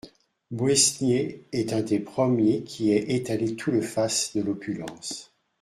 Boësnier est un des premiers qui aient étalé tout le faste de l'opulence.